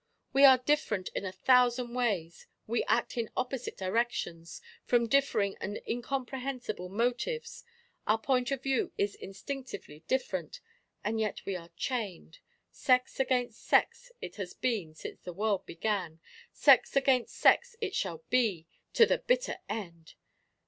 We are different in a thousand ways; we act in opposite directions, from differing and incomprehensible motives our point of view is instinctively different, and yet we are chained. Sex against sex it has been since the world began sex against sex it shall be to the bitter end!"